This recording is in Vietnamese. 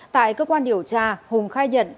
tại cơ quan điều tra hùng khai nhận